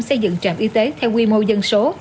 xây dựng trạm y tế theo quy mô dân số